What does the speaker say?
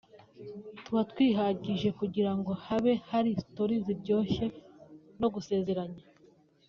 tuba twihagije kugira ngo habe hari Stories ziryoshye no gusererezanya